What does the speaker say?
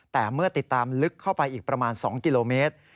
แต่เมื่อติดตามลึกเข้าไปอีกประมาณ๒กิโลเมตร